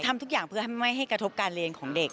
ทำทุกอย่างเพื่อไม่ให้กระทบการเรียนของเด็ก